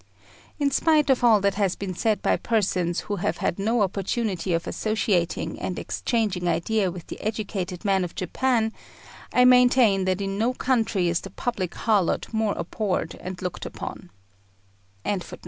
In spite of all that has been said by persons who have had no opportunity of associating and exchanging ideas with the educated men of Japan, I maintain that in no country is the public harlot more abhorred and looked down upon.